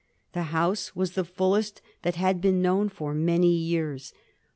The House was the fullest that had been known for many years.